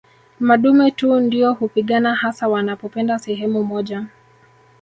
Madume tu ndio hupigana hasa wanapopenda sehemu moja